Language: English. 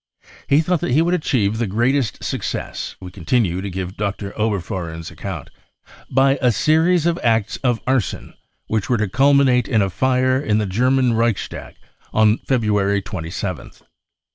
Pie thought that he would achieve the greatest success — we continue to give Dr. Oberfohren's account — by a series of acts of arson which were to culminate in a fire in the German Reichstag on February 27th.